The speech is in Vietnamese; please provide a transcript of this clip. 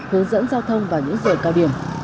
hướng dẫn giao thông vào những rời cao điểm